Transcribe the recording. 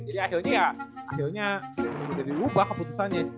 jadi akhirnya mudah dirubah keputusannya